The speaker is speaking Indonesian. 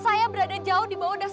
saya berada jauh di bawah dasar